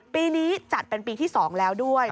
ปีนี้จัดเป็นปีที่๒แล้วด้วย